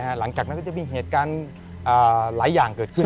หลังจากนั้นก็จะมีเหตุการณ์หลายอย่างเกิดขึ้น